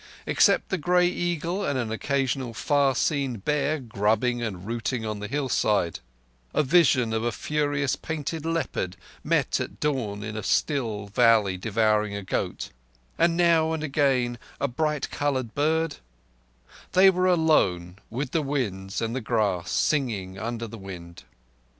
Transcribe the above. Except the grey eagle and an occasional far seen bear grubbing and rooting on the hillside; a vision of a furious painted leopard met at dawn in a still valley devouring a goat; and now and again a bright coloured bird, they were alone with the winds and the grass singing under the wind.